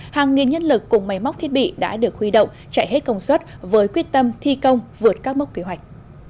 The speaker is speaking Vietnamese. hàng nghìn nhân lực cùng máy móc thiết bị đã được huy động chạy hết công suất với quyết tâm thi công vượt các mốc kế hoạch